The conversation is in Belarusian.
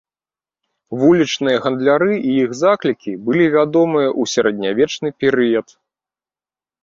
Вулічныя гандляры і іх заклікі былі вядомыя ў сярэднявечны перыяд.